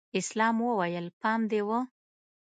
اسلام وويل پام دې و.